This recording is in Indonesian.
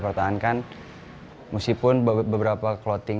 ruru ruda ritu theirs ya along